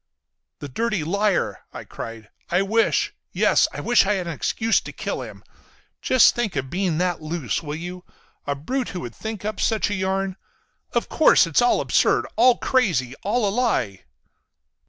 "The dirty liar!" I cried. "I wish—yes—I wish I had an excuse to kill him. Just think of that being loose, will you? A brute who would think up such a yarn! Of course it's all absurd. All crazy. All a lie."